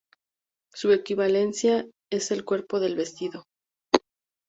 Su equivalencia es el cuerpo del vestido.